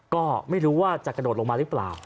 ก็ไม่รู้ว่าจะกระโดดลงมาหรือเปล่า